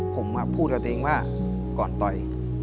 ผมพูดกับตัวเองว่าก่อนต่อย